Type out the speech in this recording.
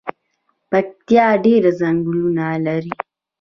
پکتیا ډیر ځنګلونه لري